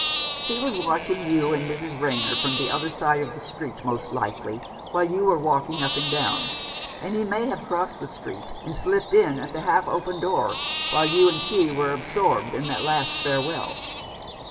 He was watching you and Mrs Rayner from the 253 Rough Justice. other side of the street, most likely, while you were walking up and down ; and he may have crossed the street, and slipped in at the half open door while you and she were absorbed in that last farewell."